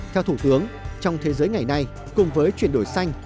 theo thủ tướng trong thế giới ngày nay cùng với chuyển đổi xanh